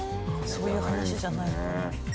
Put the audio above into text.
そういう話じゃないのかな。